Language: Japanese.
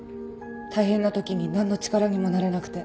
大変な時になんの力にもなれなくて。